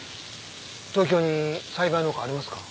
東京に栽培農家はありますか？